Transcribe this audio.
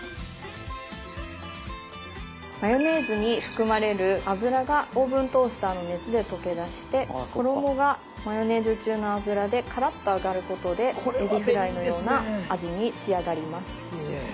マヨネーズに含まれる油がオーブントースターの熱で溶け出して衣がマヨネーズ中の油でカラッと揚がることでえびフライのような味に仕上がります。